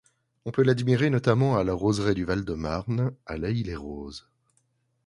On peut l'admirer notamment à la roseraie du Val-de-Marne à L'Haÿ-les-Roses.